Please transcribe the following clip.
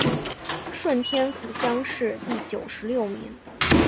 顺天府乡试第九十六名。